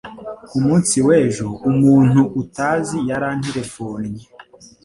Ku munsi w'ejo, umuntu utazi yaranterefonnye.